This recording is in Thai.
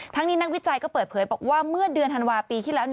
ทั้งนี้นักวิจัยก็เปิดเผยบอกว่าเมื่อเดือนธันวาปีที่แล้ว